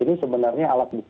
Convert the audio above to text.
ini sebenarnya alat berjalan